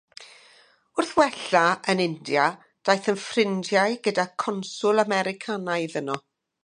Wrth wella yn India, daeth yn ffrindiau gyda conswl Americanaidd yno.